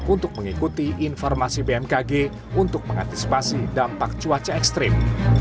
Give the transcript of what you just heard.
untuk mengikuti informasi bmkg untuk mengantisipasi dampak cuaca ekstrim